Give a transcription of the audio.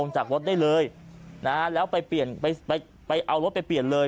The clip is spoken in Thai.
จากรถได้เลยนะแล้วไปเอารถไปเปลี่ยนเลย